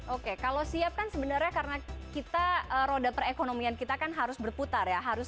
oke kalau siap kan sebenarnya karena kita roda perekonomian kita kan harus berputar ya